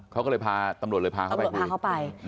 เขาก็เลยพาตำรวจเลยพาเข้าไป